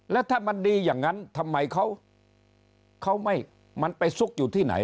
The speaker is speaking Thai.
แล้วถ้ามันดีอย่างนั้นทำไมเขาไม่มันไปซุกอยู่ที่ไหน